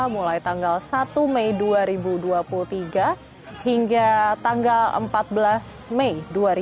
mulai tanggal satu mei dua ribu dua puluh tiga hingga tanggal empat belas mei dua ribu dua puluh